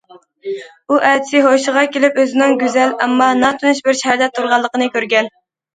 ئۇ ئەتىسى ھوشىغا كېلىپ، ئۆزىنىڭ گۈزەل، ئەمما ناتونۇش بىر شەھەردە تۇرغانلىقىنى كۆرگەن.